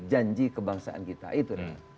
janji kebangsaan kita itu